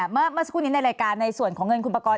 เมื่อสักครู่นี้ในรายการในส่วนของเงินคุณประกอบ